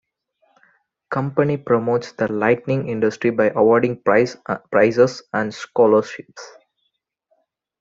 The Company promotes the lighting industry by awarding prizes and scholarships.